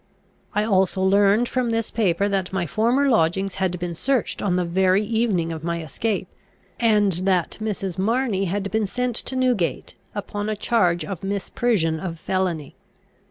I also learned from this paper that my former lodgings had been searched on the very evening of my escape, and that Mrs. Marney had been sent to Newgate, upon a charge of misprision of felony.